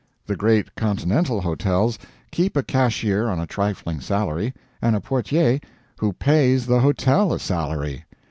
The great continental hotels keep a cashier on a trifling salary, and a portier WHO PAYS THE HOTEL A SALARY.